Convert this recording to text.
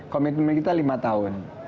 komitmen kita lima tahun